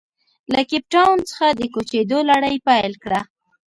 له کیپ ټاون څخه د کوچېدو لړۍ پیل کړه.